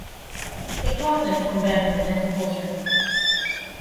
Ik hâld net fan bergen en fan bosken.